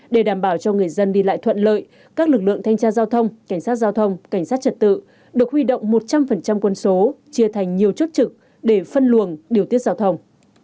để đảm bảo cho người dân đi lại thuận lợi các lực lượng thanh tra giao thông cảnh sát giao thông cảnh sát trật tự được huy động một trăm linh quân số chia thành nhiều chốt trực để phân luồng điều tiết giao thông